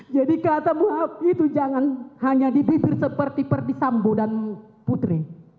jadi katamu itu jangan hanya di bibir seperti perdi sambu dan putri